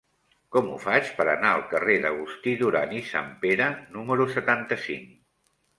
Com ho faig per anar al carrer d'Agustí Duran i Sanpere número setanta-cinc?